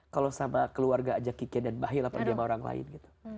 kalau sama keluarga aja kiken dan bahila pada dia sama orang lain gitu